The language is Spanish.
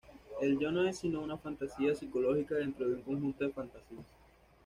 El yo no es sino una fantasía psicológica dentro de un conjunto de fantasías.